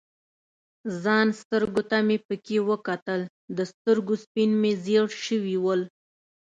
ځان سترګو ته مې پکې وکتل، د سترګو سپین مې ژړ شوي ول.